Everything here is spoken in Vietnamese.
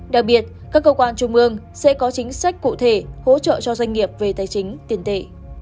đặc biệt các cơ quan trung ương sẽ có chính sách cụ thể hỗ trợ cho doanh nghiệp về tài chính tiền tệ